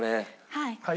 はい。